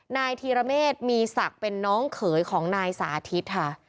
นายธีรเมษมีศักดิ์เป็นน้องเขยของนายสาธิตค่ะ